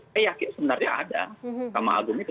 saya yakin sebenarnya ada mahkamah agung itu